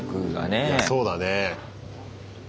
いやそうだね。